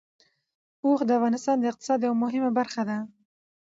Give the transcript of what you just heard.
اوښ د افغانستان د اقتصاد یوه مهمه برخه ده.